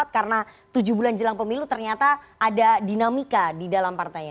karena tujuh bulan jelang pemilu ternyata ada dinamika di dalam partainya